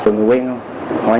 không quên không